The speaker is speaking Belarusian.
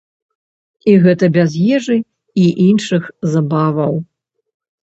І гэта без ежы і іншых забаваў.